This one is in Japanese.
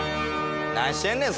何してんねん！